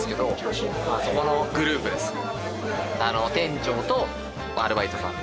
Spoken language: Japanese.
店長とアルバイトさん。